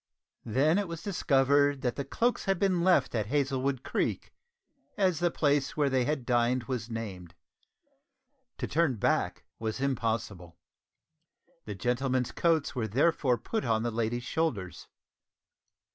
Then it was discovered that the cloaks had been left at Hazlewood Creek, as the place where they had dined was named. To turn back was impossible. The gentlemen's coats were therefore put on the ladies' shoulders.